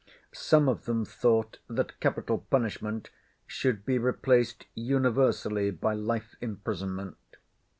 Some of them thought that capital punishment should be replaced universally by life imprisonment.